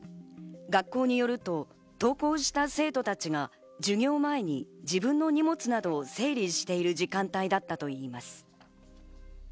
学校によると、登校した生徒たちが授業前に自分の荷物などを整理している時間帯だったといいます。